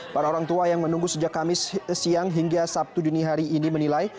para orang tua yang menunggu sejak kamis siang hingga sabtu dini hari ini menilai